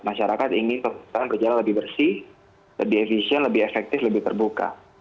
masyarakat ingin pemerintahan berjalan lebih bersih lebih efisien lebih efektif lebih terbuka